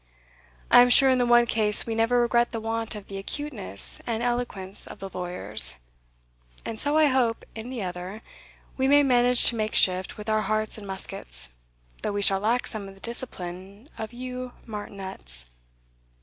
I am sure in the one case we never regret the want of the acuteness and eloquence of the lawyers; and so, I hope, in the other, we may manage to make shift with our hearts and muskets, though we shall lack some of the discipline of you martinets."